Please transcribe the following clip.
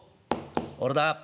「俺だ」。